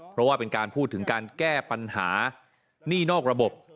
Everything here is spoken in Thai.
เพราะว่าเป็นการพูดถึงการแก้ปัญหาหนี้นอกระบบ